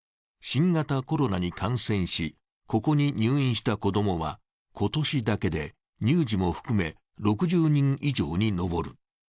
新型コロナに感染し、ここに入院した子供は今年だけで乳児も含め、６０人以上に上る。